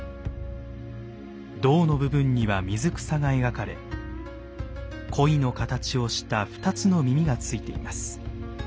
胴の部分には水草が描かれ鯉の形をした２つの耳が付いています。